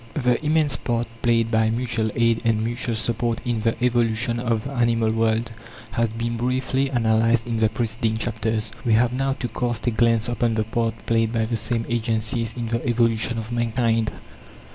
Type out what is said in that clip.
The immense part played by mutual aid and mutual support in the evolution of the animal world has been briefly analyzed in the preceding chapters. We have now to cast a glance upon the part played by the same agencies in the evolution of mankind.